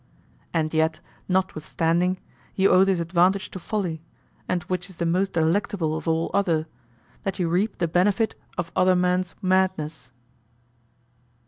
And yet notwithstanding, you owe this advantage to folly, and which is the most delectable of all other, that you reap the benefit of other men's madness.